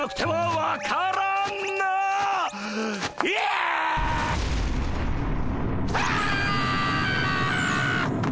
わあ！